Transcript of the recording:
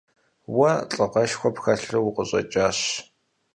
Уэ лӀыгъэшхуэ пхэлъу укъыщӀэкӀащ.